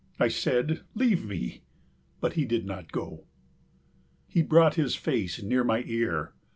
I said, "Leave me!"; but he did not go. He brought his face near my ear.